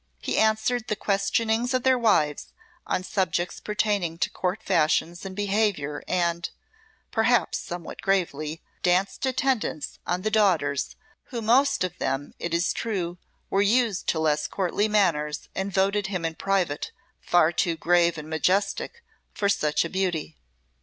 He answered the questionings of their wives on subjects pertaining to Court fashions and behaviour and, perhaps somewhat gravely, danced attendance on the daughters, who most of them, it is true, were used to less courtly manners and voted him in private far too grave and majestic for such a beauty.